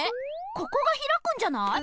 ここがひらくんじゃない？